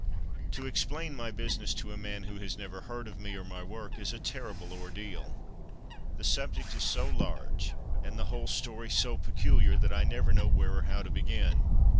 To explain my business to a man who has never heard of me or my work is a terrible ordeal. i6o From Mud to Mufti The subject is so large, and the whole story so peculiar, that I never know where or how to begin.